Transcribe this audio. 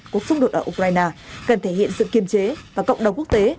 cuộc xung đột ở ukraine cần thể hiện sự kiềm chế và cộng đồng quốc tế